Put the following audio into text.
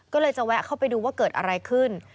ก็เลยจะแวะเข้าไปดูว่าเกิดอะไรขึ้น